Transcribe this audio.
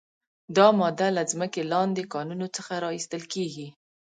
دا ماده له ځمکې لاندې کانونو څخه را ایستل کیږي.